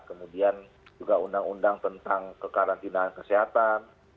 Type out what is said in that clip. kemudian juga undang undang tentang kekarantinaan kesehatan